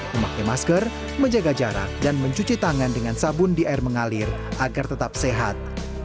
memakai masker menjaga jarak dan mencuci tangan dengan sabun di air mengalir agar tetap sehat